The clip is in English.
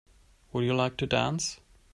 Would you like to dance?